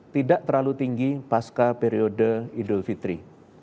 tidak terlalu tinggi pasca periode idul fitri